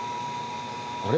あれ？